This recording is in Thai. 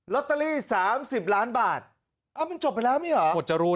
ลอตเตอรี่๓๐ล้านบาทมันจบไปแล้วมั้ยเหรอ